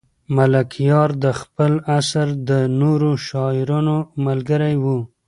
ملکیار د خپل عصر د نورو شاعرانو ملګری و.